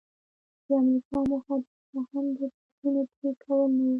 د امریکا موخه رښتیا هم د پورونو پریکول نه وو.